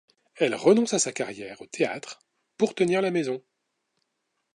Elle renonce à sa carrière au théâtre pour tenir la maison.